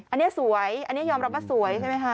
อันนี้สวยอันนี้ยอมรับว่าสวยใช่ไหมคะ